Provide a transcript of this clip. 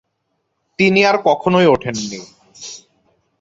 তিনি আর কখনোই উঠেনি।